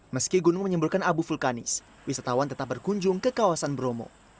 meski gunung menyemburkan abu vulkanis wisatawan tetap berkunjung ke kawasan bromo